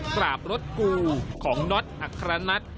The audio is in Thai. กราบรถกูของน็อตอัครนัท